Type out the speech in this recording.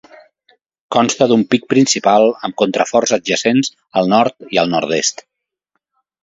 Consta d'un pic principal amb contraforts adjacents al nord i al nord-est.